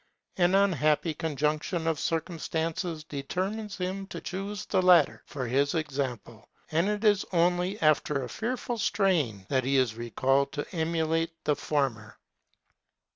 An unhappy conjunction of circumstances determines him to choose the latter for, his example, and it is only after a fearful straying that he is recalled to emulate the former.